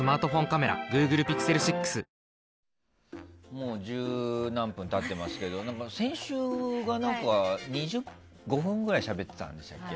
もう十何分経ってますけど先週が２５分くらいしゃべってたんでしたっけ。